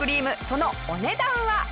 そのお値段は。